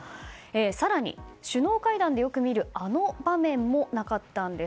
更に首脳会談でよく見るあの場面もなかったんです。